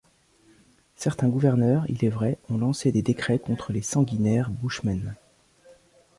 Certains gouverneurs, il est vrai, ont lancé des décrets contre les sanguinaires bushmen!